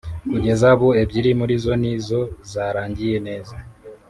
kugeza ubu ebyiri muri zo ni zo zarangiye neza